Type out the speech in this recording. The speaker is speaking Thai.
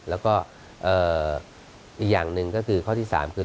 แล้วก็อีกอย่างหนึ่งก็คือข้อที่๓คือ